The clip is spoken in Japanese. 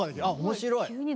あ面白い。